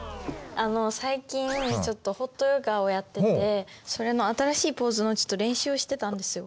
あの最近ちょっとホットヨガをやっててそれの新しいポーズの練習をしてたんですよ。